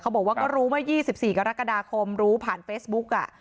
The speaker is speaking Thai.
เขาบอกว่าก็รู้ว่า๒๔กรกฎาคมรู้ผ่านเฟสบุ๊คอ่ะ